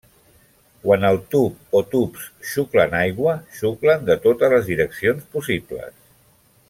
Quan el tub o tubs xuclen aigua, xuclen de totes les direccions possibles.